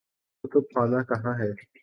کتب خانہ کہاں ہے؟